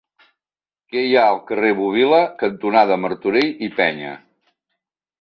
Què hi ha al carrer Bòbila cantonada Martorell i Peña?